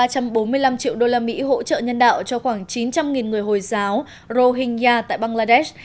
triệu đô la mỹ hỗ trợ nhân đạo cho khoảng chín trăm linh người hồi giáo rohingya tại bangladesh